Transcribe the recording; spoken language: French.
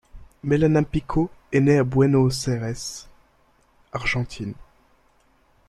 Malena Pichot est née à Buenos Aires, Argentine.